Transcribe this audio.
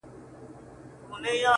يارانو راټوليږی چي تعويذ ورڅخه واخلو!